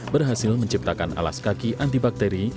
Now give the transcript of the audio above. berhasil menciptakan alas kaki antibakteri